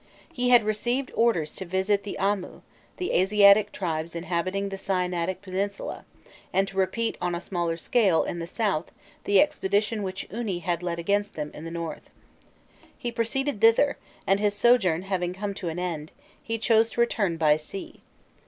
He had received orders to visit the Amu, the Asiatic tribes inhabiting the Sinaitic Peninsula, and to repeat on a smaller scale in the south the expedition which Uni had led against them in the north; he proceeded thither, and his sojourn having come to an end, he chose to return by sea.